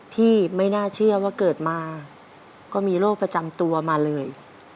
ที่ไม่น่าเชื่อว่าเกิดมาก็มีโรคประจำตัวมาเลย